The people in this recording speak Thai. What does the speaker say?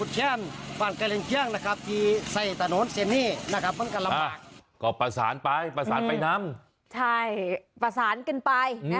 ใช่ประสานกันไปนะฮะ